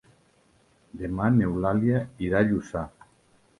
Demà n'Eulàlia irà a Lluçà.